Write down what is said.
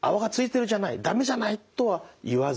駄目じゃない」とは言わずにですね